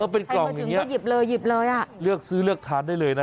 เป็นกล่องเป็นเก็บนะ